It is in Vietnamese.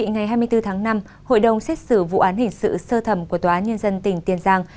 ngày hai mươi bốn tháng năm hội đồng xét xử vụ án hình sự sơ thẩm của tòa án nhân dân tỉnh tiền giang